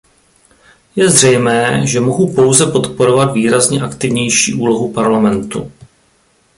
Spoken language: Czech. Je zřejmé, že mohu pouze podporovat výrazně aktivnější úlohu Parlamentu.